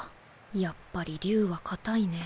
やっぱり竜は硬いね。